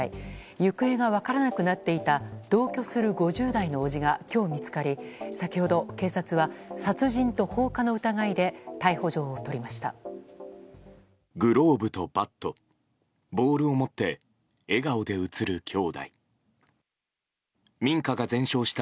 行方が分からなくなっていた同居する５０代の伯父が今日、見つかり先ほど警察は殺人と放火の疑いで逮捕状を取りました。